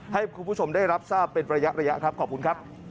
ให้คุณผู้ชมได้รับทราบเป็นระยะครับขอบคุณครับ